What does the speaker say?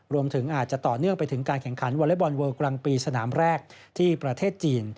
รวมถึงอาจจะต่อเนื่องไปถึงการแข่งขันวอเล็กบอลเวิลกลางปีสนามแรกที่ประเทศจีน